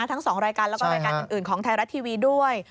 ทั้ง๒รายการแล้วก็รายการอื่นของไทยรัฐทีวีด้วย